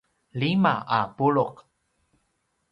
lima a pulu’